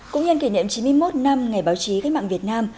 cũng nhân kỷ niệm chín mươi một năm ngày báo chí cách mạng việt nam